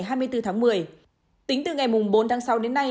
tính từ ngày bốn sáu đến nay hà tĩnh có năm trăm linh ca bệnh